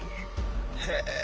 へえ！